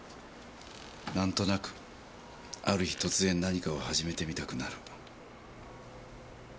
何となくある日突然何かを始めてみたくなる。